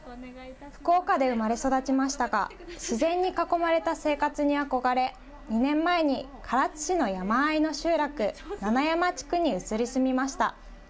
福岡で生まれ育ちましたが、自然に囲まれた生活にあこがれ、２年前に唐津市の山あいの集落、七山地区に移り住みました。